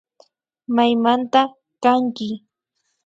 Maymanta kanki